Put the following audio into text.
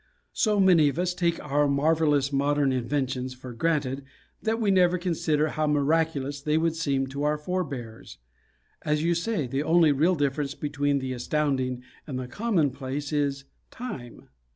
So many of us take our marvelous modern inventions for granted that we never consider how miraculous they would seem to our forebears. As you say, the only real difference between the Astounding and the Commonplace is Time.